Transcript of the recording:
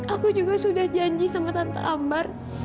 aku juga sudah janji sama tante ambar